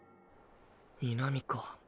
南か。